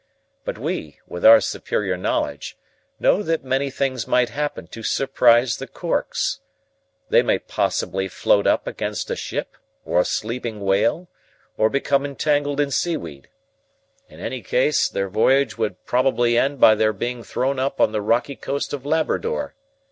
But we, with our superior knowledge, know that many things might happen to surprise the corks. They might possibly float up against a ship, or a sleeping whale, or become entangled in seaweed. In any case, their voyage would probably end by their being thrown up on the rocky coast of Labrador.